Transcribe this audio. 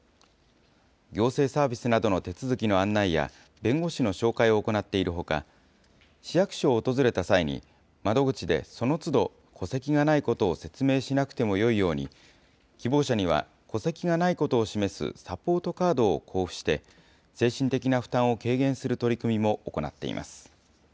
行政サービスなどの手続きの案内や、弁護士の紹介を行っているほか、市役所を訪れた際に、窓口でそのつど、戸籍がないことを説明しなくてもよいように、希望者には戸籍がないことを示すサポートカードを交付して、精神的な負担を軽減する取り組みも行っています。